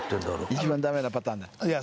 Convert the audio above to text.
一番ダメなパターンだいや